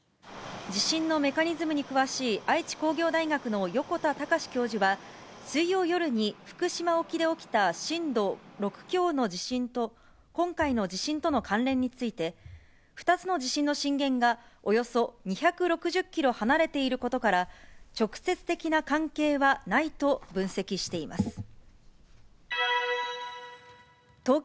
地震のメカニズムに詳しい愛知工業大学の横田崇教授は、水曜夜に福島沖で起きた、震度６強の地震と今回の地震との関連について、２つの地震の震源が、およそ２６０キロ離れていることから、直接的な関係はないと分析しています。